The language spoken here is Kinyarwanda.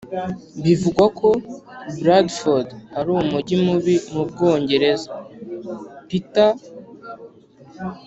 bivugwa ko bradford ari umujyi mubi mu bwongereza. peterr